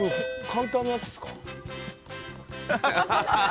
「簡単なやつ」って。